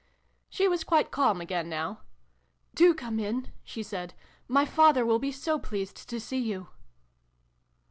She was quite calm again now. " Do come in," she said. " My father will be so pleased to see you